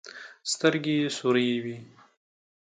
سترګې يې سورې وې.